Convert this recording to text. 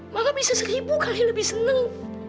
maka bisa seribu kali lebih senang